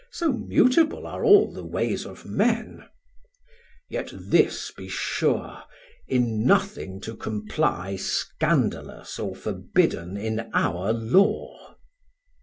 (So mutable are all the ways of men) Yet this be sure, in nothing to comply Scandalous or forbidden in our Law.